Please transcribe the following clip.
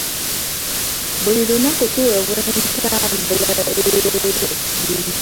Buli lunaku tuweebwa entambula ey'obwereere ku mulimu.